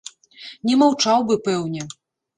Не маўчаў бы, пэўне!